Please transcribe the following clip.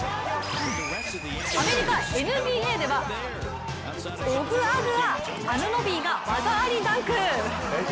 アメリカＮＢＡではオグアグア・アグノビーが技ありダンク。